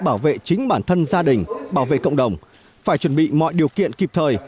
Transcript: bảo vệ chính bản thân gia đình bảo vệ cộng đồng phải chuẩn bị mọi điều kiện kịp thời